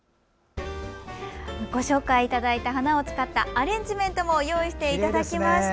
ご紹介いただいた花を使ったアレンジメントも用意していただきました。